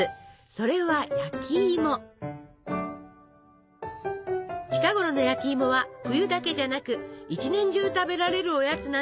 それは近頃の焼きいもは冬だけじゃなく一年中食べられるおやつなんです！